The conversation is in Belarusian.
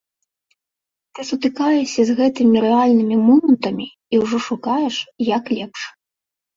Ты сутыкаешся з гэтымі рэальнымі момантамі, і ўжо шукаеш, як лепш.